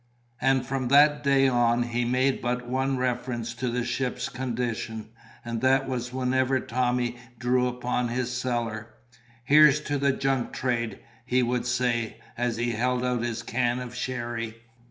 And from that day on, he made but the one reference to the ship's condition; and that was whenever Tommy drew upon his cellar. "Here's to the junk trade!" he would say, as he held out his can of sherry.